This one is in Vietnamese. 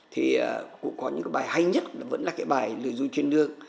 thì cụ có những cái bài hay nhất là vẫn là cái bài lười du trên đường